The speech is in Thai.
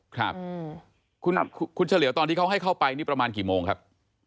ครับคุณเฉลียวตอนที่เขาให้เข้าไปนี่ประมาณกี่โมงครับ